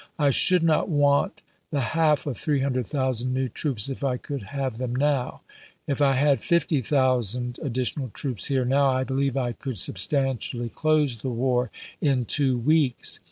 " I should not want the half of 300,000 new troops if I could have them now. If I had 50,000 additional troops here now, I believe I could substantially close the war in two weeks.